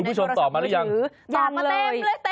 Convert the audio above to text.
คุณผู้ชมตอบมาหรือยังตอบมาเต็มเลยเต็ม